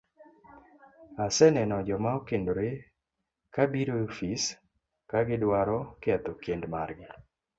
Aseneno joma okendore ka biro e ofis ka gidwaro ketho kend margi,